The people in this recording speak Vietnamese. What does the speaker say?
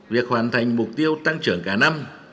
việc hoàn thành mục tiêu tăng trưởng cả năm